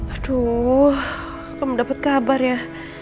aduh aku gak dapat kabar ya